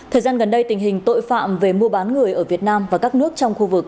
thời gian gần đây tình hình tội phạm về mua bán người ở việt nam và các nước trong khu vực